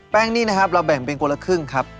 นี่นะครับเราแบ่งเป็นคนละครึ่งครับ